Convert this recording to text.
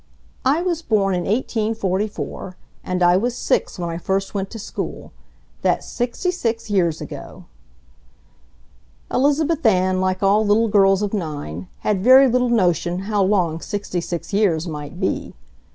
"I was born in 1844. And I was six when I first went to school. That's sixty six years ago." Elizabeth Ann, like all little girls of nine, had very little notion how long sixty six years might be.